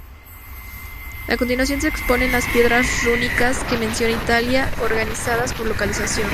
A continuación se exponen las piedras rúnicas que mencionan Italia, organizadas por localización.